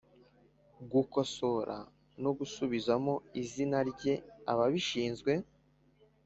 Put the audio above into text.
gukosora no gusubizamo izina rye Ababishinzwe